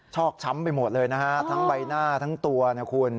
อกช้ำไปหมดเลยนะฮะทั้งใบหน้าทั้งตัวนะคุณ